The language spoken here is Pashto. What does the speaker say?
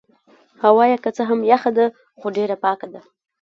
هوا يې که څه هم یخه ده خو ډېره پاکه ده.